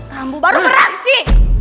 kamu baru beraksi